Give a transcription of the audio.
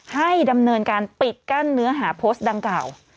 ให้ดำเนินการปิดกั้นเนื้อหาโพสต์ดังกล่าว